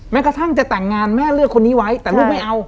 แม้กระทั่งจะแต่งงานแม่เลือกคนนี้ไว้แต่ลูกไม่เอา